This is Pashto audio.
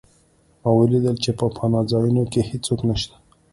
ما ولیدل چې په پناه ځایونو کې هېڅوک نشته